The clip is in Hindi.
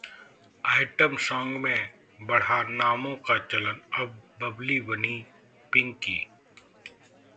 आइटम सॉन्ग में बढ़ा नामों का चलन, अब बबली बनी पिंकी